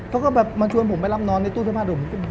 เขาก็แบบมาชวนผมไปรับนอนในตู้เสื้อผ้าดุ่ม